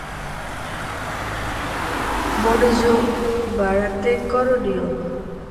সমগ্র খেলোয়াড়ী জীবনে দুই টেস্টে অংশগ্রহণের সুযোগ পেয়েছেন।